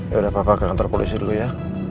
yaudah pak pak ke kantor polisi dulu ya